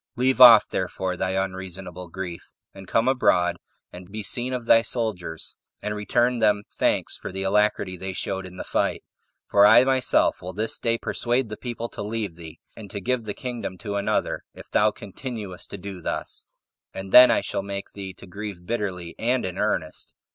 Leave off, therefore, thy unreasonable grief, and come abroad and be seen of thy soldiers, and return them thanks for the alacrity they showed in the fight; for I myself will this day persuade the people to leave thee, and to give the kingdom to another, if thou continuest to do thus; and then I shall make thee to grieve bitterly and in earnest."